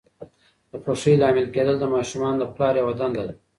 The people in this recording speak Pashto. د خوښۍ لامل کېدل د ماشومانو د پلار یوه دنده ده.